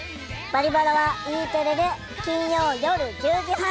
「バリバラ」はＥテレで金曜夜１０時半。